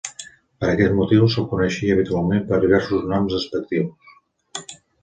Per aquest motiu, se'l coneixia habitualment per diversos noms despectius.